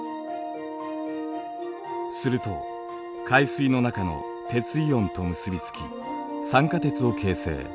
すると海水の中の鉄イオンと結び付き酸化鉄を形成。